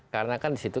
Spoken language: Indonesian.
karena kan di situ